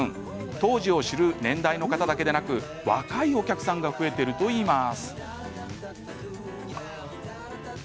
当時を知る年代の方だけでなく若いお客さんが増えているといいます。